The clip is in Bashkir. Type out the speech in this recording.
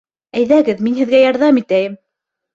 Әйҙәгеҙ, мин һеҙгә ярҙам итәйем!